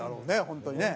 本当にね。